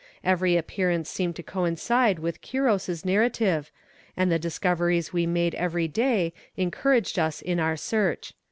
Every appearance seemed to coincide with Quiros's narrative, and the discoveries we made every day encouraged us in our search.